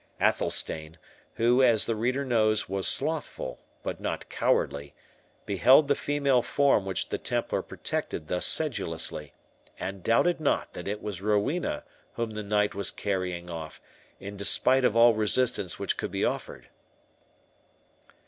Athelstane, who, as the reader knows, was slothful, but not cowardly, beheld the female form whom the Templar protected thus sedulously, and doubted not that it was Rowena whom the knight was carrying off, in despite of all resistance which could be offered.